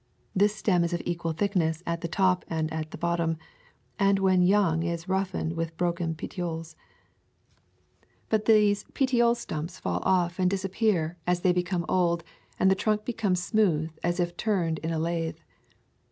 This stem is of equal thickness at the top and at the bottom and when young is roughened with the broken petioles. But these petiole { 117 J A Thousand Mile VW alk stumps fall off and disappear as they become old, and the trunk becomes smooth as if turned in a lathe.